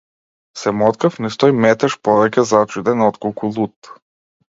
Се моткав низ тој метеж повеќе зачуден отколку лут.